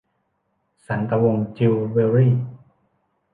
สันตะวงศ์จิวเวลรี่